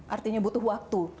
artinya butuh waktu